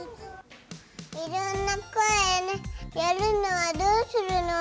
いろんな声をやるのはどうするの？